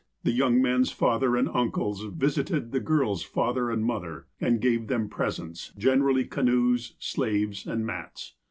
74 THE APOSTLE OF ALASKA young man's father and uncles visited the girl's father and mother, and gave them presents, generally canoes, slaves, and mats.